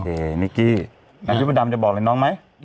อ่ะโอเคนิกกี้น้องยุบดำจะบอกอะไรน้องไหม